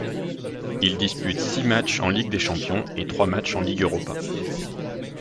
Il dispute six matchs en Ligue des champions et trois matchs en Ligue Europa.